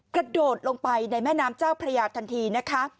กระโดดลงไปในแม่น้ำเจ้าพระยาทันทีนะคะ